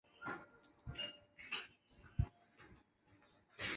萨布埃鲁是巴西塞阿拉州的一个市镇。